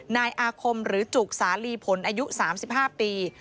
นายอาคมหรือจุกสาลีผลอายุ๓๕ปี